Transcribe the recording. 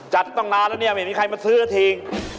จัดตั้งนานแล้วเนี่ยไม่มีใครมาซื้อสักที